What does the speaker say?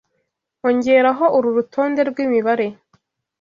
Ongeraho uru rutonde rwimibare.